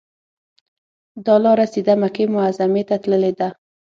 دا لاره سیده مکې معظمې ته تللې ده.